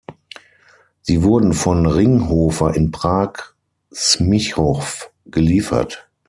Sie wurden von Ringhoffer in Prag-Smichov geliefert.